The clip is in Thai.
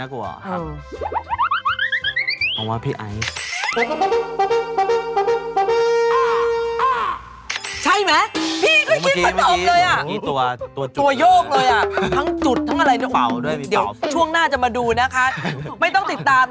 ใครน่ากลัวเหรอครับเอ้าอ๋อ